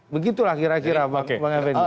begitulah kira kira bang effendi